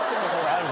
ある。